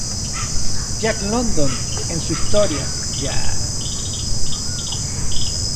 Jack London en su historia “Yah!